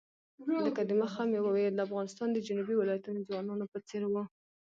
لکه د مخه مې وویل د افغانستان د جنوبي ولایتونو ځوانانو په څېر وو.